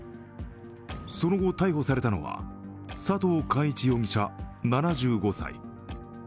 その後、逮捕されたのは佐藤貫一容疑者７５歳。